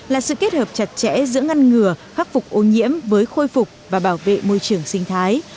là sự kết hợp chặt chẽ giữa ngăn ngừa khắc phục ô nhiễm với khôi phục và bảo vệ môi trường sinh thái